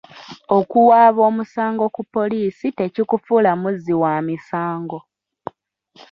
Okuwaaba omusango ku poliisi tekikufuula muzzi wa misango.